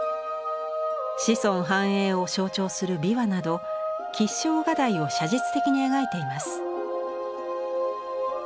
「子孫繁栄」を象徴するビワなど吉祥画題を写実的に描いています。